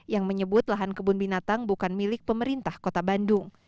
yang menyebut lahan kebun binatang bukan milik pemerintah kota bandung